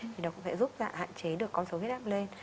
thì nó cũng sẽ giúp hạn chế được con số huyết áp lên